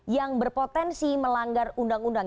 yang berpotensi melanggar undang undang